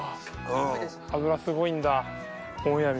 脂すごいんだ。